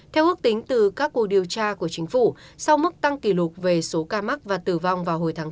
theo ước tính từ các cuộc điều tra của chính phủ sau mức tăng kỷ lục về số ca mắc và tử vong vào hồi tháng bốn